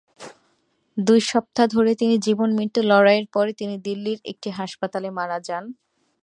দুই সপ্তাহ ধরে তার জীবন-মৃত্যুর লড়াইয়ের পরে তিনি দিল্লির একটি হাসপাতালে মারা যান।